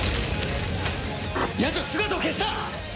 ヤツは姿を消した！